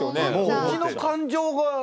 こっちの感情がね。